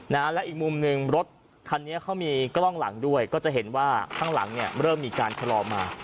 และอีกมุมหนึ่งรถคันนี้เขามีกล้องหลังด้วยก็จะเห็นว่าข้างหลังเนี่ยเริ่มมีการชะลอมา